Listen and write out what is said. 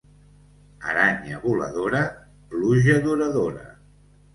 Aranya voladora, pluja duradora.